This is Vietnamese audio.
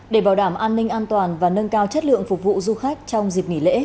để bảo đảm an ninh an toàn và nâng cao chất lượng phục vụ du khách trong dịp nghỉ lễ